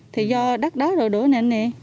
thì do đất đá đổ đổ nè anh nè